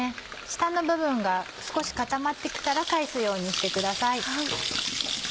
下の部分が少し固まって来たら返すようにしてください。